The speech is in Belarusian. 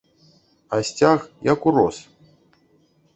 А сцяг як урос.